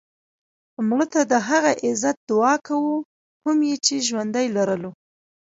مړه ته د هغه عزت دعا کوو کوم یې چې ژوندی لرلو